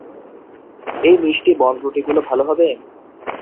এই মিষ্টি বনরুটি গুলো ভালো হবে?